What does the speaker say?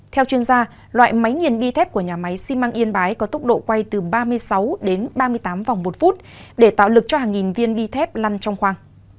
theo chuyên gia loại máy nghiền bi thép của nhà máy xi măng yên bái có tốc độ quay từ ba mươi sáu đến ba mươi tám vòng một phút để tạo lực cho hàng nghìn viên bi thép lăn trong khoang